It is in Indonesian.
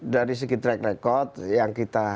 dari segi track record yang kita